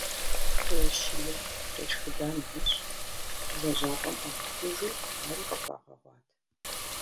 Къеущия, къешхыда нэмыщӏ, лэжьапӏэм ӏуамыхужу, ари къыхуагъэгъуат.